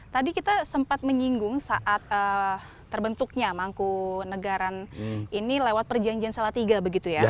tadi kita sempat menyinggung saat terbentuknya mangku negara ini lewat perjanjian salatiga begitu ya